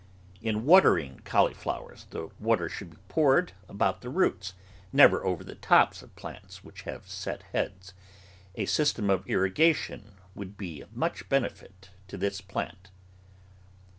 In watering cauliflowers, the water should be poured about the roots, never over the tops of plants which have set heads; a system of irrigation would be of much benefit to this plant.